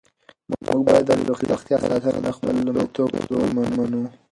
موږ باید د خپلې روغتیا ساتنه د خپل لومړیتوب په توګه ومنو.